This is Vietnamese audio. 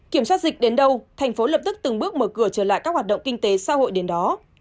kiểm soát dịch đến đâu thành phố lập tức từng bước mở cửa trở lại các hoạt động kinh tế xã hội đến đó